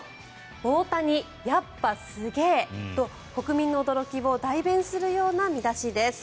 「大谷、やっぱすげぇ」と国民の驚きを代弁するような見出しです。